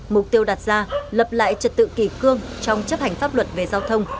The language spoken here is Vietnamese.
mục tiêu đặt ra lập lại trật tự kỳ cương trong chấp hành pháp luật về giao thông